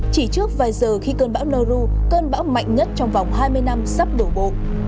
chỉ trước vài giờ khi cơn bão nauru cơn bão mạnh nhất trong vòng hai mươi năm sắp đổ bộ